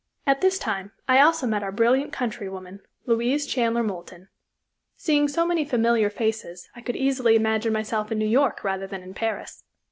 At this time I also met our brilliant countrywoman, Louise Chandler Moulton. Seeing so many familiar faces, I could easily imagine myself in New York rather than in Paris.